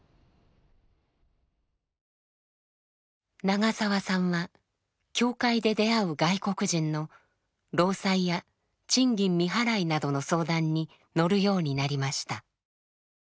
長澤さんは教会で出会う外国人の労災や賃金未払いなどの相談に乗るようになりました。